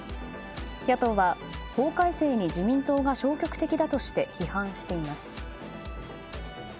野党は法改正に自民党が消極的だとして批判しています。